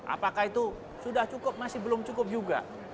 apakah itu sudah cukup masih belum cukup juga